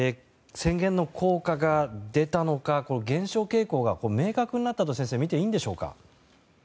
宣言の効果が出たのか減少傾向が明確になったとみていいんでしょうか？